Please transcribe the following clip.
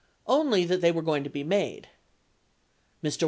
Only that they were going to be made. Mr.